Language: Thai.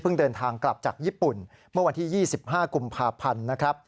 เพิ่งเดินทางกลับจากญี่ปุ่นเมื่อวันที่๒๕กุมภาพันธ์